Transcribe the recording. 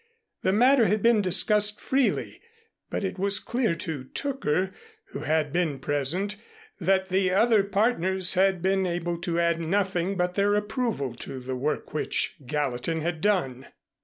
The matter had been discussed freely, but it was clear to Tooker, who had been present, that the other partners had been able to add nothing but their approval to the work which Gallatin had done.